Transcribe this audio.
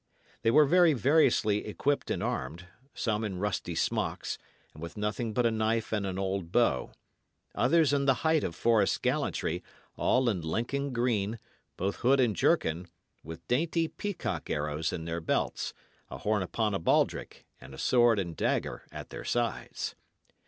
They were very variously equipped and armed; some in rusty smocks, and with nothing but a knife and an old bow; others in the height of forest gallantry, all in Lincoln green, both hood and jerkin, with dainty peacock arrows in their belts, a horn upon a baldrick, and a sword and dagger at their sides.